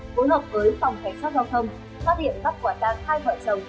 phối hợp với phòng cảnh sát giao thông phát hiện bắt quả tàng hai vợ chồng